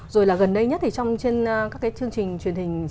rồi là gần đây nhất thì trong các cái chương trình truyền hình trên tv